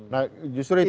nah justru itu